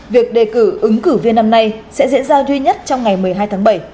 việc đề cử ứng cử viên năm nay sẽ diễn ra duy nhất trong ngày một mươi hai tháng bảy